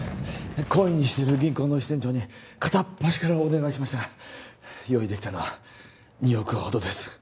懇意にしている銀行の支店長に片っ端からお願いしました用意できたのは２億ほどです